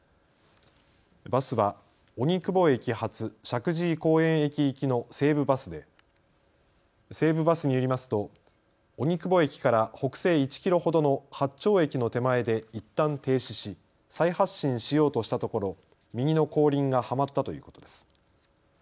バスは荻窪駅発石神井公園駅行きの西武バスで西武バスによりますと荻窪駅から北西１キロほどの八丁駅の手前でいったん停止し再発進しようとしたところ、右の後輪がはまったということです。